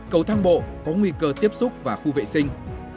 cầu thang bộ có nguy cơ tiếp xúc và khu vệ sinh